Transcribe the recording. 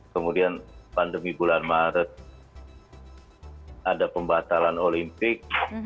kemudian pandemi bulan maret ada pembatalan olimpik